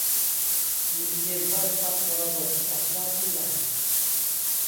มีเกณฑ์ได้ทรัพย์มรดกจากญาติผู้ใหญ่